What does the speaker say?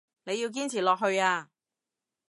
你要堅持落去啊